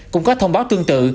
cũng có thông báo tương tự